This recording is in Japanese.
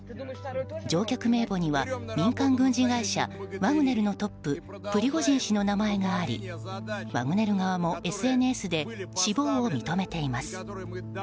乗客名簿には民間軍事会社ワグネルのトッププリゴジン氏の名前がありワグネル側もＳＮＳで死亡を認めています。